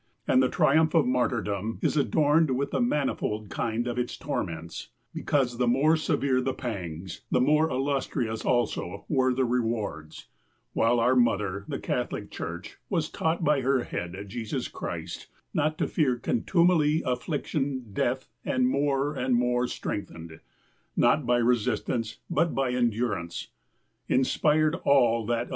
And the triumph of martyrdom is adorned with the manifold kind of its torments, because the more severe the pangs, the more illustrious also were the rewards; while our Mother, the Catholic Church, was taught by her Head, Jesus Christ, not to fear contumely, affliction, death, and more and more strengthened — not by resistance, but by endurance — inspired all of that illustrious 1 Translated by the Rev. John M.